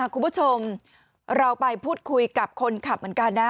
คุณผู้ชมเราไปพูดคุยกับคนขับเหมือนกันนะ